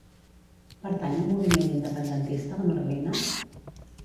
Pertany al moviment independentista la Merlina?